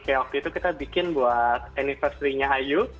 kayak waktu itu kita bikin buat anniversary nya iu